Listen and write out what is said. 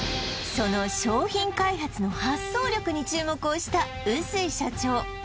その商品開発の発想力に注目をした臼井社長